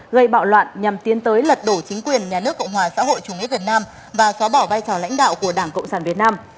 gây bạo loạn nhằm tiến tới lật đổ chính quyền nhà nước cộng hòa xã hội chủ nghĩa việt nam và xóa bỏ vai trò lãnh đạo của đảng cộng sản việt nam